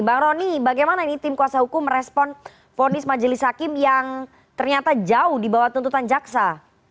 bang roni bagaimana ini tim kuasa hukum merespon vonis majelis hakim yang ternyata jauh di bawah tuntutan jaksa